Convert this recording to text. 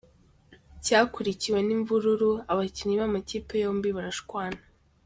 Cyakurikiwe n’imvururu, abakinnyi b’amakipe yombi barashwana.